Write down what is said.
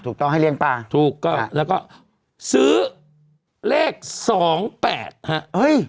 ต้องให้เลี้ยงปลาถูกก็แล้วก็ซื้อเลขสองแปดฮะเฮ้ย